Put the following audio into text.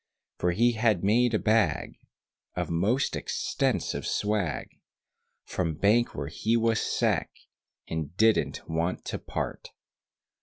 For he had made a bag, Of most extensive swag, From bank where he was sec., And didn't want to part.